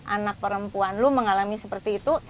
anak perempuan lu mengalami seperti itu